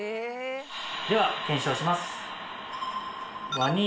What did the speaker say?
では検証します。